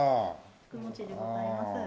福もちでございます。